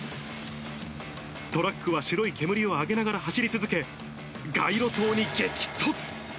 トラックは白い煙を上げながら走り続け、街路灯に激突。